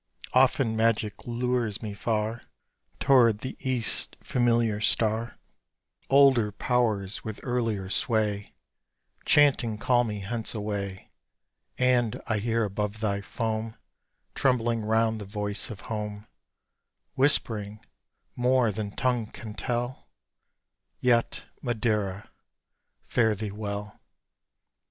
Often magic lures me far Toward the East's familiar star; Older powers with earlier sway, Chanting call me hence away; And I hear above thy foam, Trembling round the voice of home, Whispering more than tongue can tell Yet, Madeira, fare thee well.